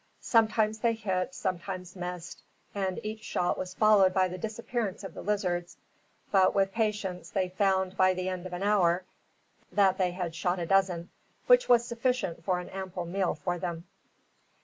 Sometimes they hit, sometimes missed, and each shot was followed by the disappearance of the lizards; but with patience they found, by the end of an hour, that they had shot a dozen, which was sufficient for an ample meal for them.